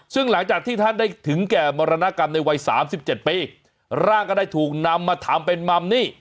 ซึ่งหลังจากที่ท่านได้ถึงแก่มรณกรรมในวัยสามสิบเจ็ดปีร่างก็ได้ถูกนำมาทำเป็นมัมนี่